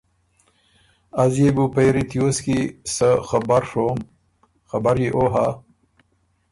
”از يې بُو پېری تیوس کی سۀ خبر ڒوم۔ خبر يې او هۀ